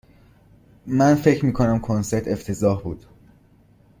من فکر می کنم کنسرت افتضاح بود.